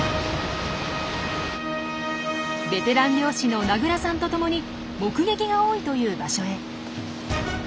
ベテラン漁師の名倉さんとともに目撃が多いという場所へ。